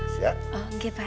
siap oke pak